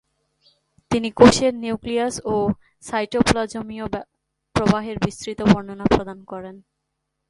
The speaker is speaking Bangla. তিনি কোষের নিউক্লিয়াস ও সাইটোপ্লাজমীয় প্রবাহের বিস্তৃত বর্ণনা প্রদান করেন।